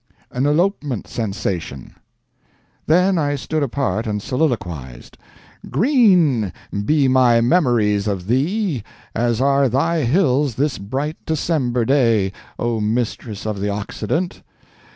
AN ELOPEMENT SENSATION Then I stood apart and soliloquized: "Green be my memories of thee as are thy hills this bright December day, O Mistress of the Occident!